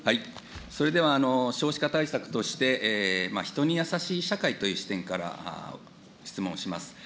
それでは、少子化対策として、人にやさしい社会という視点から質問します。